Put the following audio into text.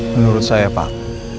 menurut saya pak